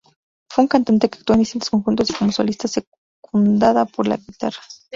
Fue una cantante que actuó en distintos conjuntos y como solista, secundada por guitarra.